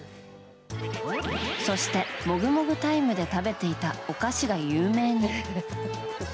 そして、もぐもぐタイムで食べていたお菓子が有名に。